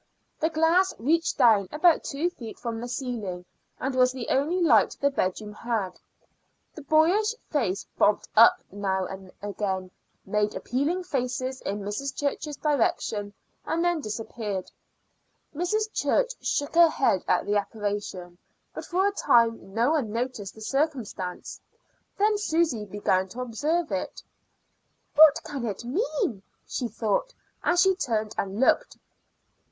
The glass reached down about two feet from the ceiling, and was the only light the bedroom had. The boyish face bobbed up now and again, made appealing faces in Mrs. Church's direction, and then disappeared. Mrs. Church shook her head at the apparition, but for a time no one noticed the circumstance. Then Susy began to observe it. "What can it mean?" she thought, and she turned and looked.